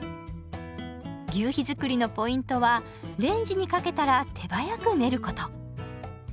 求肥づくりのポイントはレンジにかけたら手早く練ること。